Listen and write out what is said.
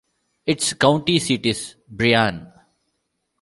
Its county seat is Bryan.